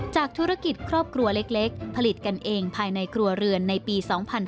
ธุรกิจครอบครัวเล็กผลิตกันเองภายในครัวเรือนในปี๒๕๕๙